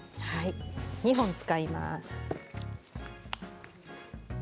２本使います。